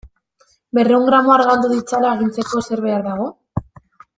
Berrehun gramo argaldu ditzala agintzeko zer behar dago?